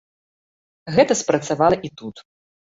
Гэта спрацавала і тут.